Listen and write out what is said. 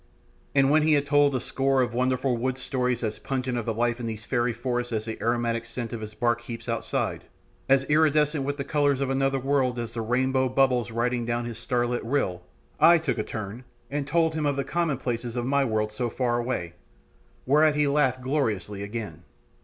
And when he had told a score of wonderful wood stories as pungent of the life of these fairy forests as the aromatic scent of his bark heaps outside, as iridescent with the colours of another world as the rainbow bubbles riding down his starlit rill, I took a turn, and told him of the commonplaces of my world so far away, whereat he laughed gloriously again.